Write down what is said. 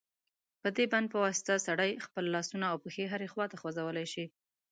په دې بند په واسطه سړی خپل لاسونه او پښې هرې خواته خوځولای شي.